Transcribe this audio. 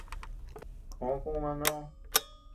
Koʼö kuuma noʼö.